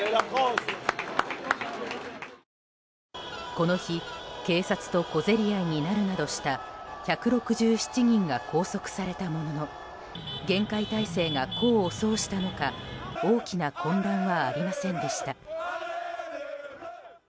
この日警察と小競り合いになるなどした１６７人が拘束されたものの厳戒態勢が功を奏したのか大きな混乱はありませんでした。